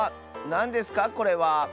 なんですかこれは？